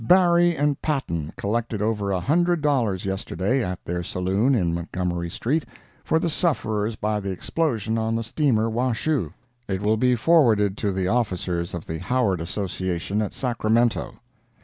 Barry & Patten collected over a hundred dollars yesterday, at their saloon in Montgomery street, for the sufferers by the explosion on the steamer Washoe. It will be forwarded to the officers of the Howard Association at Sacramento.